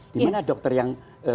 dimana dokter yang